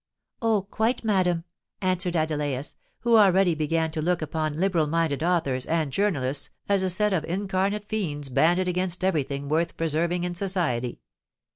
"Oh! quite, madam," answered Adelais, who already began to look upon liberal minded authors and journalists as a set of incarnate fiends banded against every thing worth preserving in society.